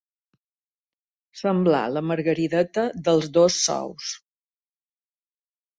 Semblar la Margarideta dels dos sous.